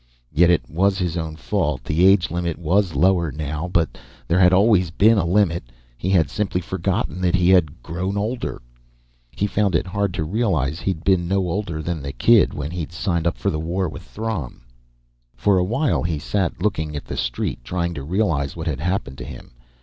Yet it was his own fault; the age limit was lower now, but there had always been a limit. He had simply forgotten that he'd grown older. He found it hard to realize he'd been no older than the kid when he'd signed up for the war with Throm. For a while he sat looking at the street, trying to realize what had happened to him.